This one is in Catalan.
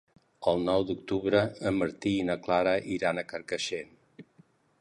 El nou d'octubre en Martí i na Clara iran a Carcaixent.